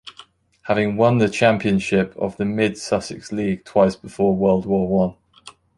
Having won the championship of the Mid Sussex League twice before World War One.